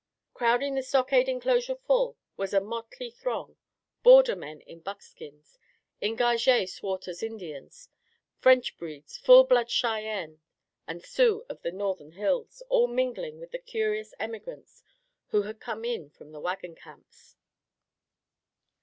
Crowding the stockade inclosure full was a motley throng border men in buckskins, engagés swart as Indians, French breeds, full blood Cheyennes and Sioux of the northern hills, all mingling with the curious emigrants who had come in from the wagon camps.